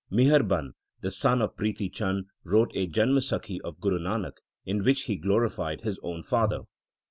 Miharban, the son of Prithi Chand, wrote a Janamsakhi of Guru Nanak in which he glorified his own father.